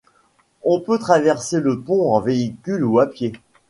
On peut traverser le pont en véhicule ou à pied.